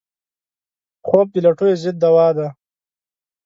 خوب د لټیو ضد دوا ده